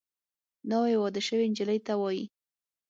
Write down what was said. ناوې واده شوې نجلۍ ته وايي